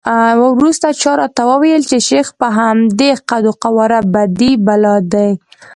وروسته چا راته وویل چې شیخ په همدې قد وقواره بدي بلا دی.